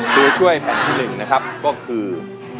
ตัวช่วยแผ่นที่๑นะครับก็คือ